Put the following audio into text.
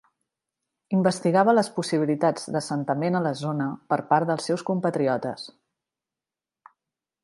Investigava les possibilitats d'assentament a la zona per part dels seus compatriotes.